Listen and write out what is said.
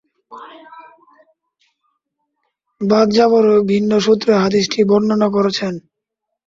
বাযযারও ভিন্ন সূত্রে হাদীসটি বর্ণনা করেছেন।